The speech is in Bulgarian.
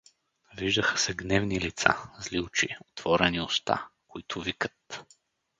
Виждаха се гневни лица, зли очи, отворени уста, които викат.